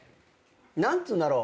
何つうんだろ？